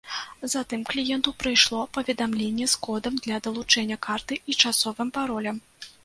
Затым кліенту прыйшло паведамленне з кодам для далучэння карты і часовым паролем.